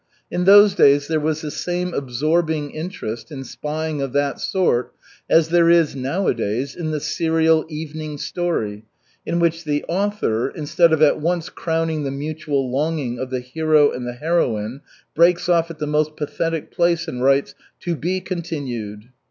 In those days there was the same absorbing interest in spying of that sort as there is nowadays in the serial "evening story," in which the author, instead of at once crowning the mutual longing of the hero and the heroine, breaks off at the most pathetic place and writes, "to be continued."